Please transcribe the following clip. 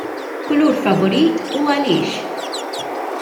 Kulur favorit, u għaliex?